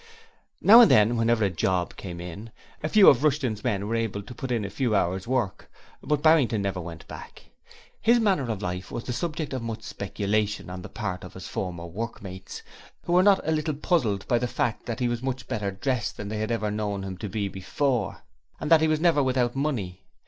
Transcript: Now and then, whenever a 'job' 'came in', a few of Rushton's men were able to put in a few hours' work, but Barrington never went back. His manner of life was the subject of much speculation on the part of his former workmates, who were not a little puzzled by the fact that he was much better dressed than they had ever known him to be before, and that he was never without money.